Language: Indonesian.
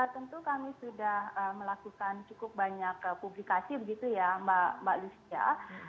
tentu kami sudah melakukan cukup banyak publikasi begitu ya mbak lucia